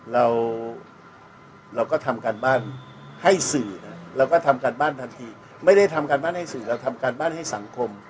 เราก็ทำการบ้านให้สื่อนะเราก็ทำการบ้านทันทีไม่ได้ทำการบ้านให้สื่อเราทำการบ้านให้สังคม